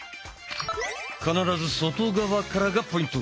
必ず外側からがポイント。